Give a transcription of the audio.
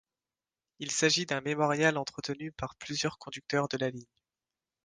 Il s'agit d'un mémorial entretenu par plusieurs conducteurs de la ligne.